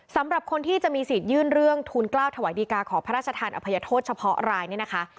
สำหรับคนที่จะมีสิทธิ์ยื่นเรื่องทูลกล้าวถวายดีกาขอพระราชทานอภัยโทษเฉพาะรายเนี่ยนะคะ